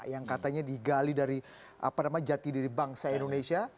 yang katanya digali dari jati diri bangsa indonesia